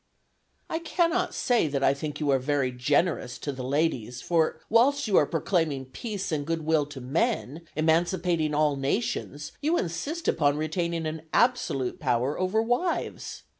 "I cannot say that I think you are very generous to the ladies; for, whilst you are proclaiming peace and good will to men, emancipating all nations, you insist upon retaining an absolute power over wives.